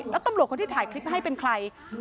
แล้วตำรวจคนที่ถ่ายคลิปให้เป็นใคร